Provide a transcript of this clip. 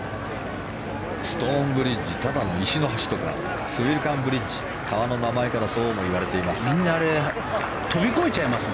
ストーンブリッジただの石の橋とかスウィルカンブリッジ川の名前からそうも言われています。